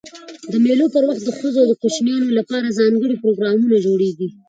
د مېلو پر وخت د ښځو او کوچنيانو له پاره ځانګړي پروګرامونه جوړېږي.